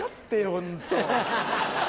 ホント。